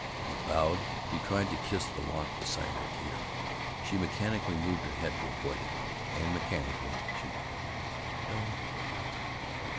he vowed. He tried to kiss the lock beside her ear. She mechanically moved her head to avoid it, and mechanically she murmured, "Don't!"